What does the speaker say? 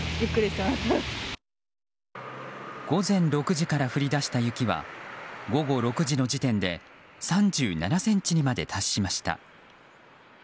午前６時から降り出した雪は午後６時の時点で３７ｃｍにまで達しました。